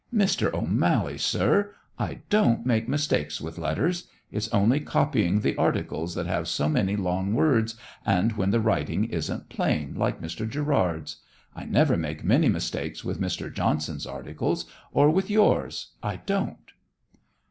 "Mr. O'Mally, sir, I don't make mistakes with letters. It's only copying the articles that have so many long words, and when the writing isn't plain, like Mr. Gerrard's. I never make many mistakes with Mr. Johnson's articles, or with yours I don't."